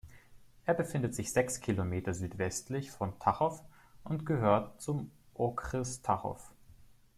Er befindet sich sechs Kilometer südwestlich von Tachov und gehört zum Okres Tachov.